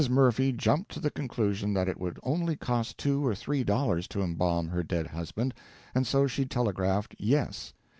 Murphy jumped to the conclusion that it would only cost two or three dollars to embalm her dead husband, and so she telegraphed "Yes."